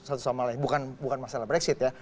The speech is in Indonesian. satu sama lain bukan masalah brexit ya